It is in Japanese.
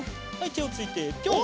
てをついてぴょん！